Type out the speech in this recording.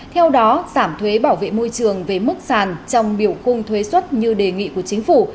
theo đó giảm thuế bảo vệ môi trường về mức sàn trong biểu khung thuế xuất như đề nghị của chính phủ